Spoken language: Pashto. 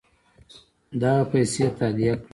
دغه پیسې تادیه کړي.